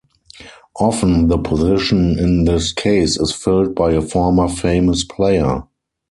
Often, the position in this case is filled by a former famous player.